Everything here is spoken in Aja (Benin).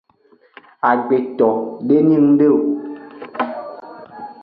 Agbeto de nyi ngde o.